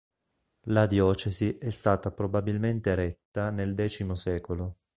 La diocesi è stata probabilmente eretta nel X secolo.